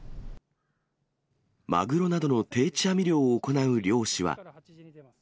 マグロなどの定置網漁を行う漁師は。